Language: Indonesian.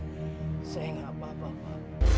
saya tidak apa apa